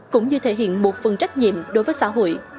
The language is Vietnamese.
cũng như thể hiện một phần trách nhiệm đối với xã hội